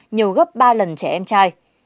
nhiều gấp ba lần trẻ em trai